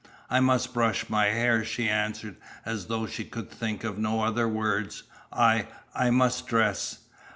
"I must brush my hair," she answered, as though she could think of no other words. "I I must dress."